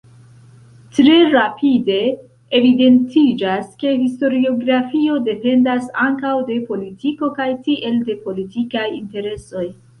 Tre rapide evidentiĝas, ke historiografio dependas ankaŭ de politiko kaj tiel de politikaj interesoj.